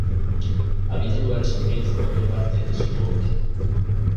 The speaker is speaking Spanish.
Habita lugares sombríos formando parte del sotobosque.